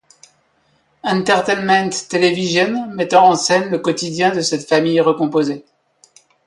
Entertainment Television, mettant en scène le quotidien de cette famille recomposée.